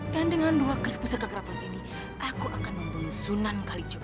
dan dengan dua kris pusaka keraton ini aku akan membunuh sunan kalijogo